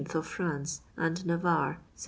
of France and Na varre, 1774.